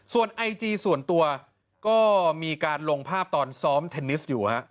ส่วนไอจีส่วนตัวก็มีการลงภาพตอนซ้อมเทนนิสอยู่ฮะ